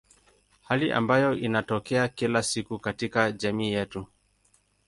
Hali ambayo inatokea kila siku katika jamii yetu.